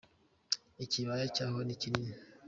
ikibaya cyaho ni kinini.